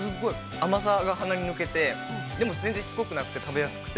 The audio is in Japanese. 甘さが鼻に抜けて、でも全然しつこくなくて、食べやすくて。